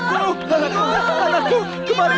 jangan lupa projet